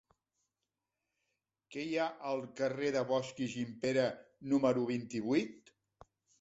Què hi ha al carrer de Bosch i Gimpera número vint-i-vuit?